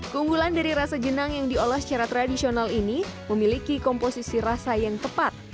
keunggulan dari rasa jenang yang diolah secara tradisional ini memiliki komposisi rasa yang tepat